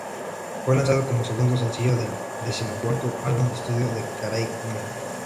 Fue lanzado como segundo sencillo del decimocuarto álbum de estudio de Carey, "Me.